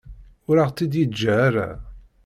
Ur aɣ-tt-id-yeǧǧa ara.